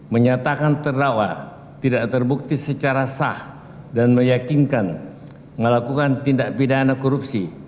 menyatakan terdakwa tidak terbukti secara sah dan meyakinkan melakukan tindak pidana korupsi